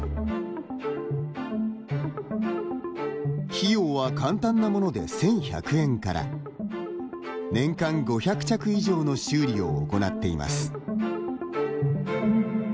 費用は簡単なもので１１００円から年間５００着以上の修理を行っています。